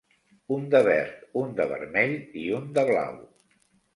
Un de verd, un de vermell i un de blau.